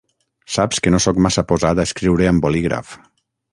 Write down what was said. Saps que no sóc massa posat a escriure amb bolígraf.